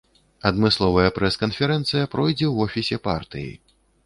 Адмысловая прэс-канферэнцыя пройдзе ў офісе партыі.